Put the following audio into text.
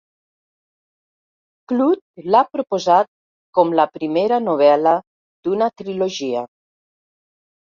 Clute l'ha proposat com la primera novel·la d'una trilogia.